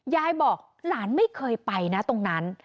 ยายบอกหลานไม่เคยไปนะตรงนั้น